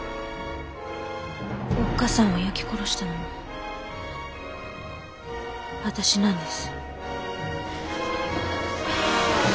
おっ母さんを焼き殺したのも私なんです。